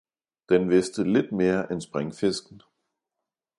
Den vidste lidt mere end springfisken.